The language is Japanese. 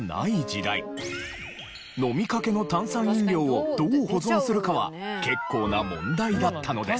飲みかけの炭酸飲料をどう保存するかは結構な問題だったのです。